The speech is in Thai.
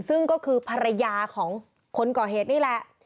ซึ่งก็คือภรรยาของคนก่อเหตุนี่แหละ